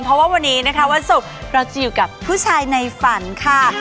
เพราะว่าวันนี้นะคะวันศุกร์เราจะอยู่กับผู้ชายในฝันค่ะ